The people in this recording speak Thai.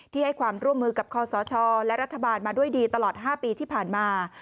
ให้ความร่วมมือกับคอสชและรัฐบาลมาด้วยดีตลอด๕ปีที่ผ่านมา